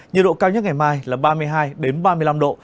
nhiệt độ cao nhất ngày mai là ba mươi hai ba mươi năm độ